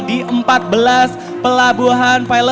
di empat belas pelabuhan